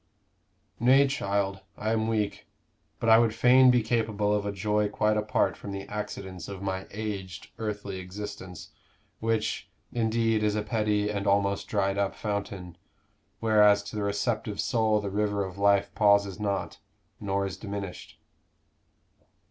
"Nay, child, I am weak. But I would fain be capable of a joy quite apart from the accidents of my aged earthly existence, which, indeed, is a petty and almost dried up fountain whereas to the receptive soul the river of life pauses not, nor is diminished."